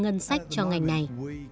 ngân sách cho ngành này